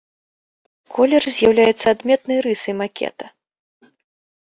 Колер з'яўляецца адметнай рысай макета.